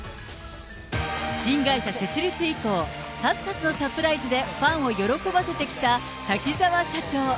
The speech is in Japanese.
新会社設立以降、数々のサプライズでファンを喜ばせてきた滝沢社長。